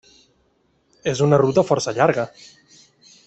És una ruta força llarga.